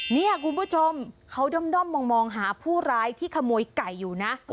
เนี่ยคุณผู้ชมเขาด้อมมองหาผู้ร้ายที่ขโมยไก่อยู่นะ